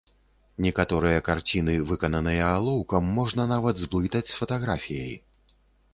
Некаторыя карціны, выкананыя алоўкам, можна нават зблытаць з фатаграфіяй.